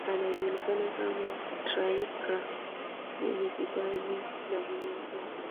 Anajulikana kama straika mwenye kipaji na mwenye nguvu